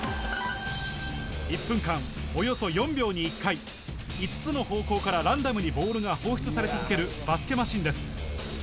１分間、およそ４秒に１回、５つの方向からランダムにボールが放出され続けるバスケマシンです。